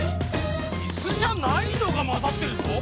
イスじゃないのがまざってるぞ！